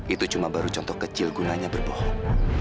itu cuma baru contoh kecil gunanya berbohong